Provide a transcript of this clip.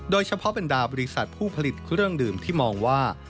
เฉพาะบรรดาบริษัทผู้ผลิตเครื่องดื่มที่มองว่า